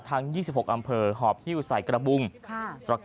ทั้ง๒๖อำเภอหอปฮิวกษัยกระบุงแล้วก็